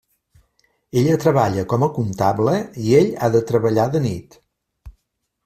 Ella treballa com a comptable i ell ha de treballar de nit.